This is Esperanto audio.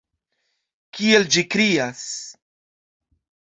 Kiel ĝi krias!